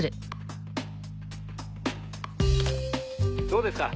「どうですか？」